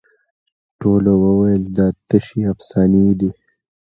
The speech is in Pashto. ټولو وویل دا تشي افسانې دي